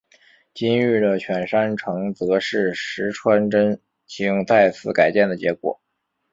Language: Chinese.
今日的犬山城则是石川贞清再次改建的结果。